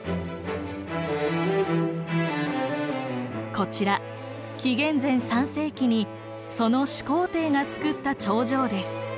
こちら紀元前３世紀にその始皇帝がつくった長城です。